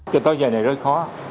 trong thời gian này rất khó